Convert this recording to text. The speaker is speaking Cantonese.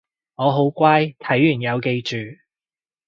我好乖睇完有記住